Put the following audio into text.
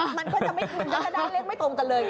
มันก็จะนาดานเลขไม่ตรงกันเลยไง